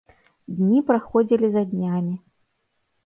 Дні праходзілі за днямі.